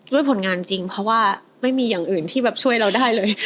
ผลงานจริงเพราะว่าไม่มีอย่างอื่นที่แบบช่วยเราได้เลย